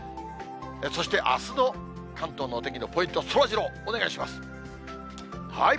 そしてあすの関東のお天気のポイント、そらジロー、お願いします。